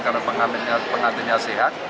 karena pengantinnya sehat